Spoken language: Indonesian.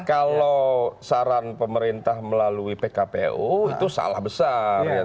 kalau saran pemerintah melalui pkpu itu salah besar